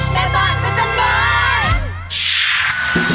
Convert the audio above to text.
เป็นบ้านของฉันบ้าย